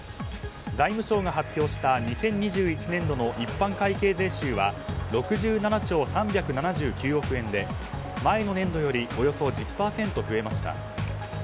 財務省が発表した２０２１年度の一般会計税収は６７兆３７９億円で前の年度よりおよそ１０％増えました。